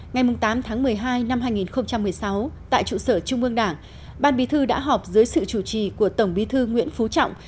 ngày tám tháng một mươi hai năm hai nghìn một mươi sáu tại trụ sở trung ương đảng ban bí thư đã họp dưới sự chủ trì của tổng bí thư nguyễn phú trọng